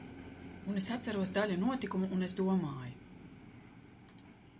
Un es atceros daļu notikumu, un es domāju.